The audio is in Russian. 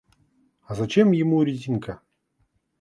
А зачем ему резинка?